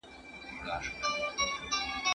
ټولنپوهنه هغه علم دی چې ټولنه څېړي.